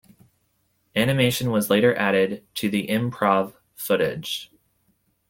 Animation was later added to the improv footage.